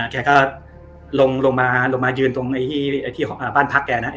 แกก็ลงมาลงมายืนตรงบ้านพักแกนะ